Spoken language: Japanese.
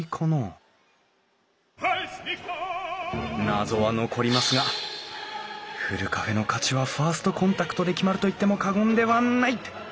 謎は残りますがふるカフェの価値はファーストコンタクトで決まると言っても過言ではない！